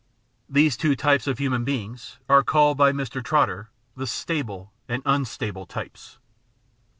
These two types of human beings are called by Mr. Trotter the stable and unstable types.